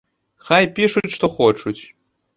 Хай пішуць што хочуць.